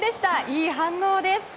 いい反応です。